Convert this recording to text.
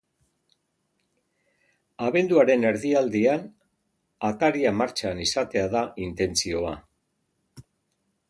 Abenduaren erdialdean ataria martxan izatea da intentzioa.